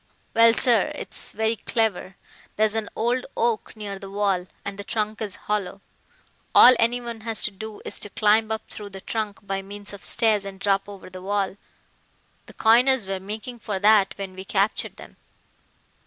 "Well, sir, it's very clever. There's an old oak near the wall, and the trunk is hollow. All anyone has to do is to climb up through the trunk by means of stairs and drop over the wall. The coiners were making for that when we captured them."